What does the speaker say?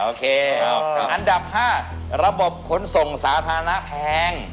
อันดับ๕ระบบขนส่งสาธารณะแพง